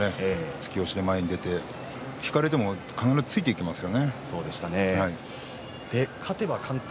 突き押しで前に出て引かれても必ずついていきますよね。